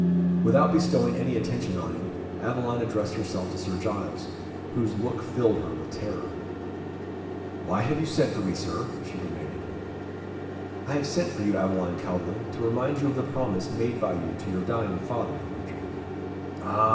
Without bestowing any attention on him, Aveline addressed herself to Sir Giles, whose look filled her with terror. "Why have you sent for me, Sir?" she demanded. "I have sent for you, Aveline Calveley, to remind you of the promise made by you to your dying father," he rejoined. "Ah!"